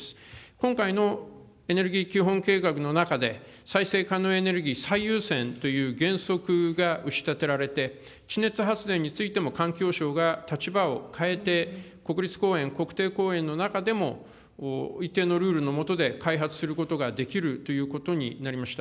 今回のエネルギー基本計画の中で、再生可能エネルギー最優先という原則が打ちたてられて、地熱発電についても、環境省が立場を変えて、国立公園、国定公園の中でも、一定のルールのもとで、開発することができるということになりました。